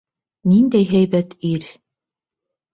Ниндәй һәйбәт ир!